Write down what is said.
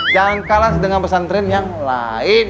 jangan kalah dengan pesantren yang lain